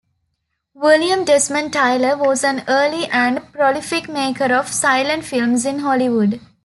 William Desmond Taylor was an early and prolific maker of silent films in Hollywood.